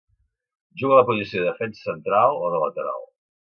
Juga a la posició de defensa central o de lateral.